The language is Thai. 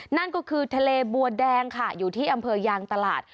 นั่นก็คือทะเลบัวแดงค่ะอยู่ที่อำเภอยางตลาด